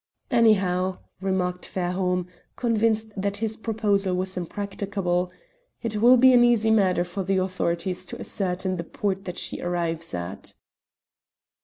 "Anyhow," remarked Fairholme, convinced that his proposal was impracticable, "it will be an easy matter for the authorities to ascertain the port that she arrives at."